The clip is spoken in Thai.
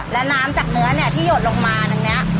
และน้ำจากเนื้อเนี่ยที่หยดลงมาตรงนี้